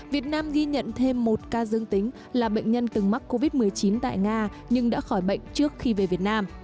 việt nam ghi nhận thêm một ca dương tính là bệnh nhân từng mắc covid một mươi chín tại nga nhưng đã khỏi bệnh trước khi về việt nam